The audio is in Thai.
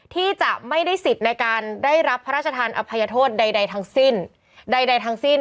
ที่จะไม่ได้สิทธิ์ในการได้รับพระราชทานอภัยโทษใดทั้งสิ้นใดทั้งสิ้น